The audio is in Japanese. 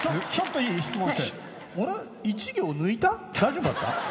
大丈夫だった？